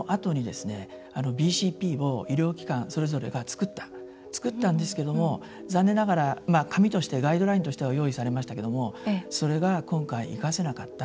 あの時、ＢＣＰを医療機関それぞれが作ったんですが残念ながらガイドランとしては用意されましたけどもそれが今回生かせなかった。